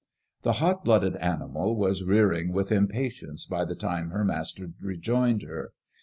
The hot blooded animal was rearing with impatience by the time her master rejoined her.